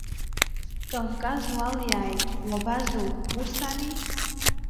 Кавказ уалиааит, уабазоуп, ус ами?